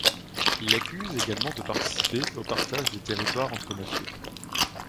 Il l'accuse également de participer au partage des territoires entre mafieux.